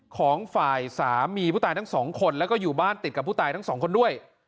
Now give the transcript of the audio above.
ของฝ่ายสามีผู้ตายทั้งสองคนแล้วก็อยู่บ้านติดกับผู้ตายทั้งสองคนด้วย